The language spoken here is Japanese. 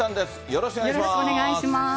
よろしくお願いします。